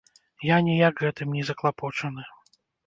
Я ніяк гэтым не заклапочаны.